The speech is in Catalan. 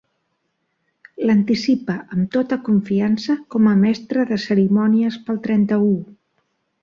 L'anticipa amb tota confiança com a mestre de cerimònies pel trenta-u.